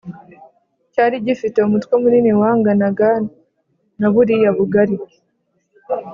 cyari gifite umutwe munini wanganaga naburiya bugari